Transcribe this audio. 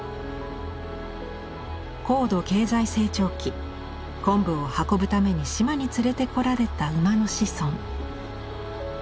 高度経済成長期昆布を運ぶために島に連れてこられた馬の子孫。